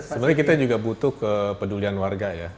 sebenarnya kita juga butuh kepedulian warga ya